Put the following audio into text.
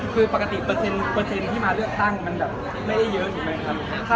คือปกติเปอร์เซ็นต์ที่มาเลือกตั้งมันแบบไม่ได้เยอะถูกไหมครับ